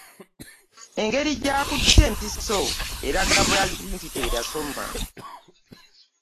Engeri gy'akutte empiso eraga bulazi nti teyasoma.